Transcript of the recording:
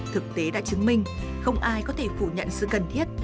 thực tế đã chứng minh không ai có thể phủ nhận sự cần thiết